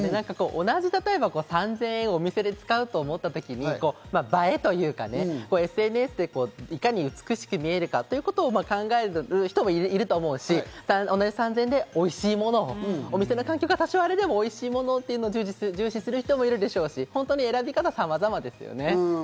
同じ例えば、３０００円をお店で使おうと思った時に映えというか、ＳＮＳでいかに美しく見えるかということを考えるも人もいると思うし、同じ３０００円でおいしいものをお店の環境があれでも、おいしいものを重視する人もいるでしょうし、選び方も様々ですよね。